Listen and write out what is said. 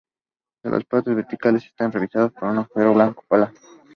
Las paredes verticales están revestidas por un azulejo blanco plano.